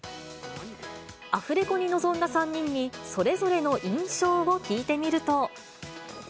アフレコに臨んだ３人に、それぞれの印象を聞いてみると。